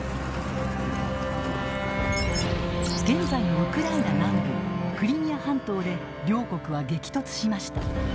現在のウクライナ南部クリミア半島で両国は激突しました。